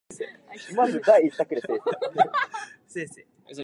Dover cries in her arms.